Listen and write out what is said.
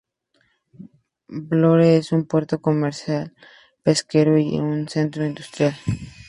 Vlorë es un puerto comercial, pesquero y un centro industrial.